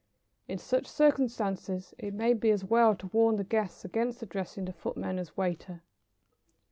In such circumstances it may be as well to warn the guests against addressing the footmen as "waiter."